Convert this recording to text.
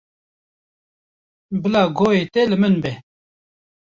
Bila guhê te li min be.